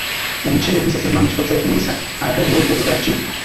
Omuceere gusesema mu kifo ky'okumulisa, ate obulo bwo bukola ki?